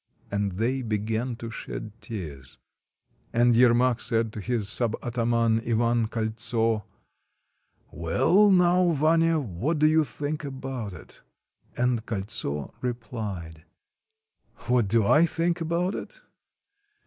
And they began to shed tears. And Yermak said to his sub ataman, Ivan Koltso: — "Well, now, Vanya, what do you think about it?" And Koltso replied :— "What do I think about it?